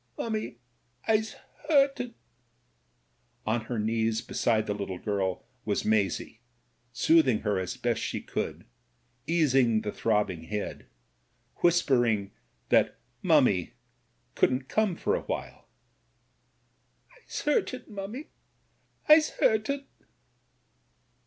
"Mummie, Tse hurted." On her knees beside the little girl was Maisie, soothing her as best she could, easing the throbbing head, whispering that mummie couldn't come for a while. "Fse hurted, mummie — I'se hurted."